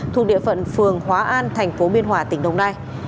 thuộc địa phận phường hóa an thành phố biên hòa tỉnh đồng nai